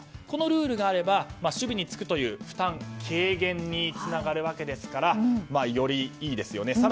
このルールがあれば守備につくという負担軽減につながるわけですからよりいいですよね。